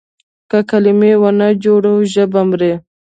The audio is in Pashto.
که کلمې ونه جوړو ژبه مري.